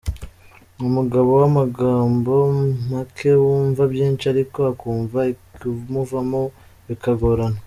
Ni umugabo w’amagambo make wumva byinshi ariko akumva ikimuvamo bikagorana.